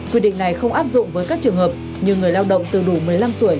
quy định này không áp dụng với các trường hợp như người lao động từ đủ một mươi năm tuổi